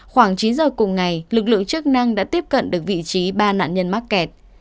khoảng chín giờ cùng ngày lực lượng chức năng đã tiếp cận được vị trí ba nạn nhân mắc kẹt